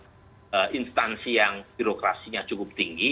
karena instansi yang birokrasinya cukup tinggi